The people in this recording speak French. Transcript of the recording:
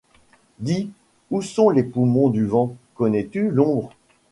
Dis ? où sont les poumons du vent ? Connais-tu l’ombre ?